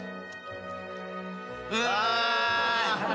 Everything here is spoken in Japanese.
うわ。